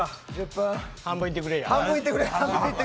半分いってくれ。